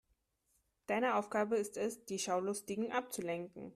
Deine Aufgabe ist es, die Schaulustigen abzulenken.